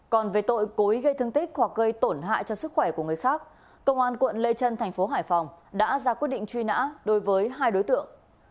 chủ tịch ubnd tp hcm đã ra quyết định truy nã đối với hai đối tượng